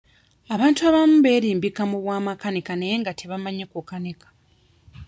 Abantu abamu beerimbika mu bwa makanika naye nga tebamanyi kukanika.